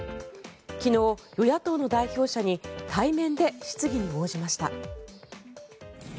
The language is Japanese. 昨日、与野党の代表者に対面で質疑に応じました。